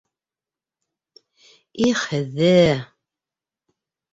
Их, һеҙҙе!